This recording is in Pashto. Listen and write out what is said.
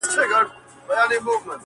• مور یې کړله په یوه ګړي پر بوره -